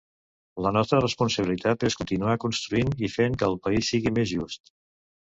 La nostra responsabilitat és continuar construint i fent que el país sigui més just.